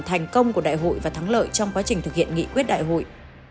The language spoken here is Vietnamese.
thành công của đại hội và thắng lợi trong quá trình thực hiện nghị quyết đại hội